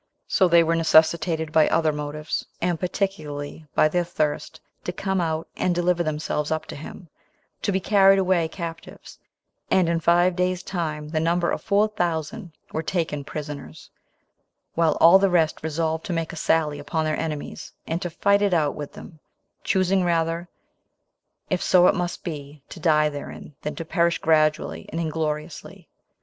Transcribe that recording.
So they were necessitated by other motives, and particularly by their thirst, to come out, and deliver themselves up to him, to be carried away captives; and in five days' time the number of four thousand were taken prisoners, while all the rest resolved to make a sally upon their enemies, and to fight it out with them, choosing rather, if so it must be, to die therein, than to perish gradually and ingloriously.